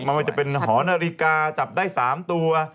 ไม่ว่าจะเป็นหอนาฬิกาจับได้๓ตัว